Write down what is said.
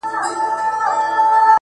ستړى په گډا سومه !!چي!!ستا سومه!!